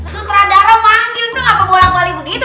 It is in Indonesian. sutradara manggil tuh apa bolak balik begitu